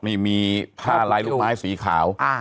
นี่มีผ้าลายลูกไม้สีขาว